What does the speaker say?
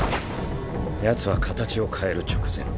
ヤツは形を変える直前。